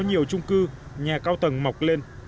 nhiều trung cư nhà cao tầng mọc lên